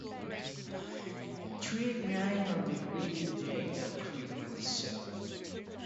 Twelfth Night is a greater day than Christmas itself.